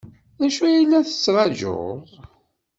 D acu ay la tettṛajuḍ?